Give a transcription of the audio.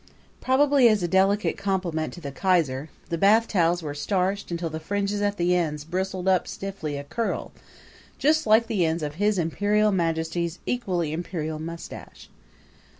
Probably as a delicate compliment to the Kaiser, the bathtowels were starched until the fringes at the ends bristled up stiffly a curl, like the ends of His Imperial Majesty's equally imperial mustache.